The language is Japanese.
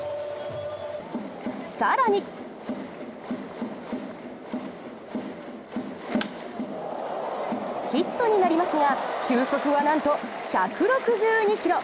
さらにヒットになりますが、球速はなんと１６２キロ